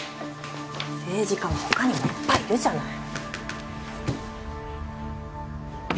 政治家は他にもいっぱいいるじゃない。